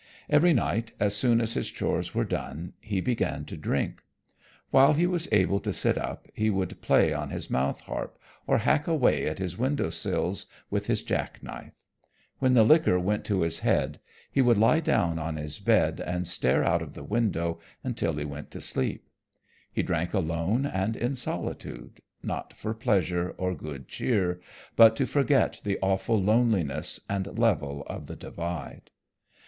Every night, as soon as his chores were done, he began to drink. While he was able to sit up he would play on his mouth harp or hack away at his window sills with his jack knife. When the liquor went to his head he would lie down on his bed and stare out of the window until he went to sleep. He drank alone and in solitude not for pleasure or good cheer, but to forget the awful loneliness and level of the Divide.